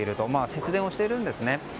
節電をしているんですね。